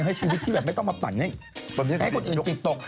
ให้ชีวิตไม่ต้องมาผันให้ให้คนอื่นจิตตก